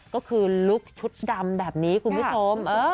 ก็คือลุคชุดดำแบบนี้คุณผู้ชม